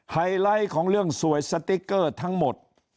ไฮไลท์ของเรื่องสวยสติ๊กเกอร์ทั้งหมด